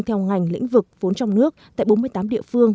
theo ngành lĩnh vực vốn trong nước tại bốn mươi tám địa phương